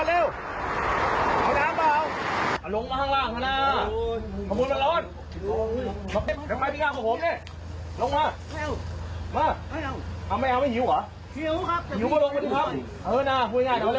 เหลือลงมาก่อนครับ